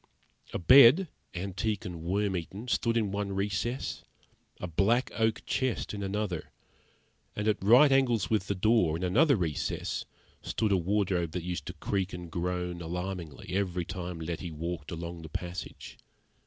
A bed, antique and worm eaten, stood in one recess, a black oak chest in another, and at right angles with the door, in another recess, stood a wardrobe that used to creak and groan alarmingly every time Letty walked a long the passage.